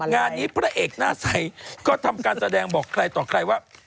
งานนี้พระเอกหน้าใสก็ทำการแสดงบอกใครต่อใครว่า